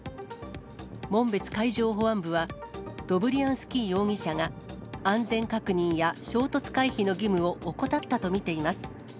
紋別海上保安部は、ドブリアンスキー容疑者が、安全確認や衝突回避の義務を怠ったと見ています。